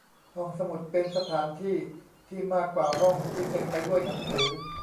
ห้องสมุดเป็นสถานที่ที่มากกว่าห้องที่เต็มไปด้วยหนังสือ